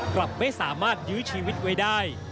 กลับไม่สามารถยื้อชีวิตไว้ได้